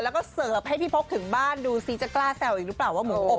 แล้วก็เสิร์ฟให้พี่พกถึงบ้านดูซิจะกล้าแซวอีกหรือเปล่าว่าหมูอบ